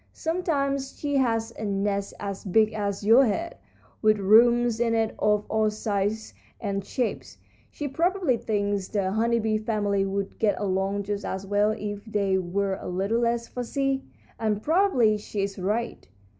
Sometimes she has a nest as big as your head, with rooms in it of all sizes and shapes. She probably thinks the honey bee family would get along just as well if they were a little less fussy, and probably she is right.